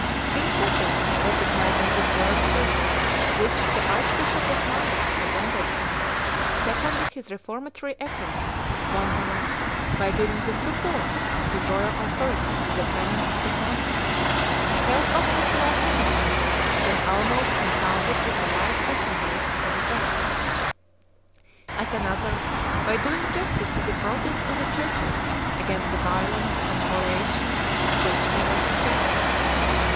King Pepin, recognizing the services which the Archbishop of Mayence had rendered him, seconded his reformatory efforts at one time by giving the support of his royal authority to the canons of the Councils, held often simultaneously with and almost confounded with the laic assemblies of the Franks, at another by doing justice to the protests of the churches against the violence and spoliation to which they were subjected.